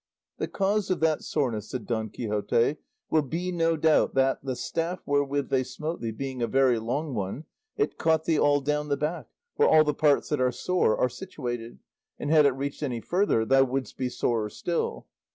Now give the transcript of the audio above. "The cause of that soreness," said Don Quixote, "will be, no doubt, that the staff wherewith they smote thee being a very long one, it caught thee all down the back, where all the parts that are sore are situated, and had it reached any further thou wouldst be sorer still."